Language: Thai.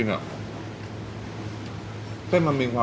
เซ่นก็ดีจริงอะ